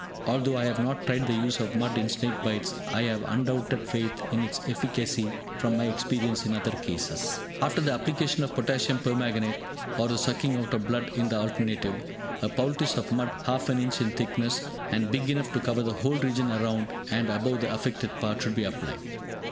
Although I have not tried the use of mud in snake bites, I have unbounded faith in its efficacy from my experience in other cases. After the application of Potassium Permanganate (or the sucking out of the blood, in the alternative,) a poultice of mud half an inch in thickness, and big enough to cover the whole region around and above the affected part, should be applied.